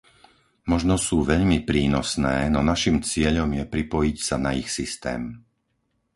Možno sú veľmi prínosné, no našim cieľom je pripojiť sa na ich systém.